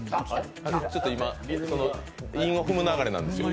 ちょっと今、韻を踏む流れなんですけど。